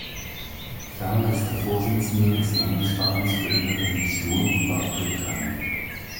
Ferner ist er Vorsitzender des Landesvereins für Innere Mission in Bad Dürkheim.